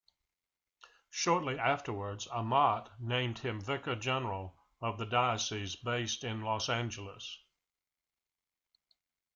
Shortly afterwards, Amat named him Vicar General of the diocese, based in Los Angeles.